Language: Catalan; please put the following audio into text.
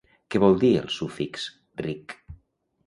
Què vol dir el sufix -ric?